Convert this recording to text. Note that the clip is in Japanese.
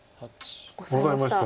オサえました。